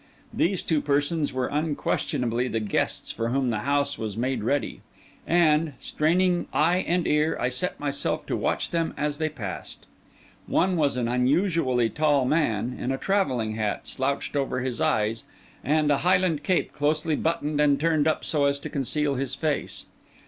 These two persons were unquestionably the guests for whom the house was made ready; and, straining eye and ear, I set myself to watch them as they passed. One was an unusually tall man, in a travelling hat slouched over his eyes, and a highland cape closely buttoned and turned up so as to conceal his face.